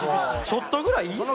ちょっとぐらいいいっすよ。